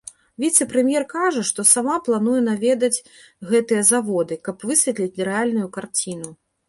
Віцэ-прэм'ер кажа, што сама плануе наведаць гэтыя заводы, каб высветліць рэальную карціну.